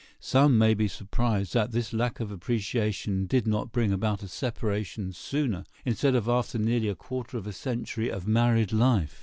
Some may be surprised that this lack of appreciation did not bring about a separation sooner, instead of after nearly a quarter of a century of married life.